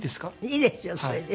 いいですよそれで。